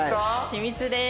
秘密です。